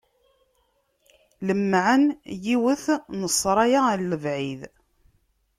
Lemmεen yiwet n ssṛaya ɣer lebεid.